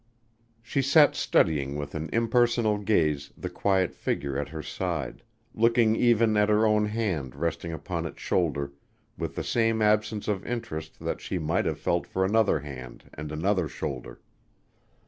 She sat studying with an impersonal gaze the quiet figure at her side, looking even at her own hand resting upon its shoulder with the same absence of interest that she might have felt for another hand and another shoulder.